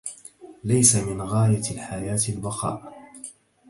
ليس من غاية الحياة البقاء